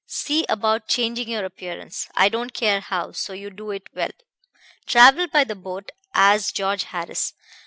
See about changing your appearance I don't care how, so you do it well. Travel by the boat as George Harris.